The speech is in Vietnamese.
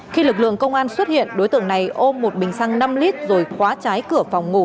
khi lực lượng công an xuất hiện đối tượng này ôm một bình xăng năm lít rồi khóa trái cửa phòng ngủ